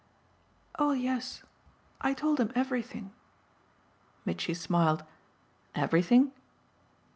"Oh yes I told him everything." Mitchy smiled. "Everything?"